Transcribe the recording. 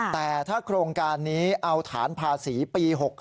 แต่ถ้าโครงการนี้เอาฐานภาษีปี๖๓